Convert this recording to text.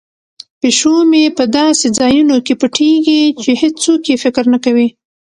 پیشو مې په داسې ځایونو کې پټیږي چې هیڅوک یې فکر نه کوي.